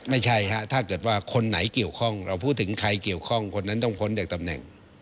ไม่ใช่ฮะถ้าเกิดว่าคนไหนเกี่ยวข้องเราพูดถึงใครเกี่ยวข้องคนนั้นต้องพ้นจากตำแหน่ง